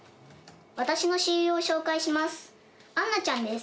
私の親友を紹介します。